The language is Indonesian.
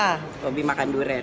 hobi makan durian